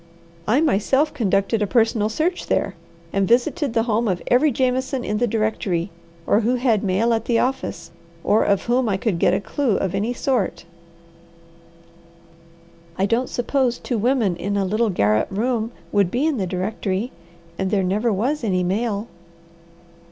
"I myself conducted a personal search there, and visited the home of every Jameson in the directory or who had mail at the office or of whom I could get a clue of any sort." "I don't suppose two women in a little garret room would be in the directory, and there never was any mail."